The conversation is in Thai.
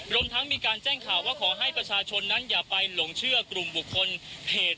รวมทั้งมีการแจ้งข่าวว่าขอให้ประชาชนนั้นอย่าไปหลงเชื่อกลุ่มบุคคลเพจ